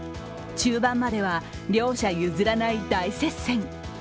中盤までは両者譲らない大接戦。